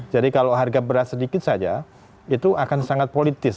jadi kalau harga beras sedikit saja itu akan sangat politis